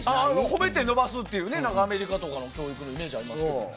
褒めて伸ばすっていうアメリカとかの教育のイメージはありますけど。